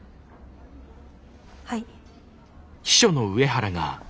はい。